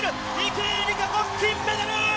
池江璃花子金メダル！